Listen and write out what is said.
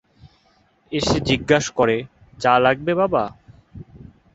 এসে জিজ্ঞেস করে, চা লাগবে বাবা?